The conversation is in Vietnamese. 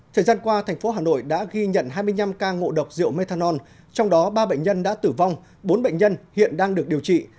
thời gian qua thành phố hà nội đã ghi nhận hai mươi năm ca ngộ độc rượu methanol trong đó ba bệnh nhân đã tử vong bốn bệnh nhân hiện đang được điều trị